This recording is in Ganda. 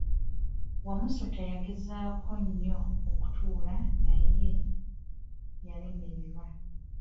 Wamusota yagezaako nnyo okutuula naye yalemererwa.